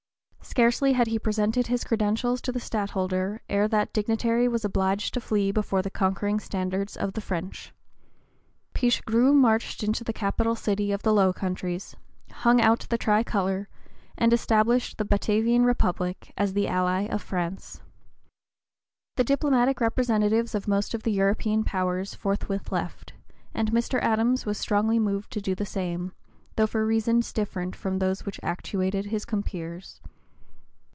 Scarcely had he presented his credentials to the Stadtholder ere that dignitary was obliged to flee before the conquering standards of the French. Pichegru marched into the capital city of the Low Countries, hung out the tri color, and established the "Batavian Republic" as the ally of France. The diplomatic representatives of most of the European powers forthwith left, and Mr. Adams was strongly moved to do the same, though for reasons different from those which actuated his compeers.